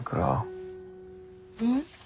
うん？